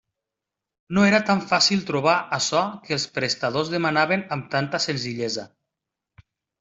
No era tan fàcil trobar açò que els prestadors demanaven amb tanta senzillesa.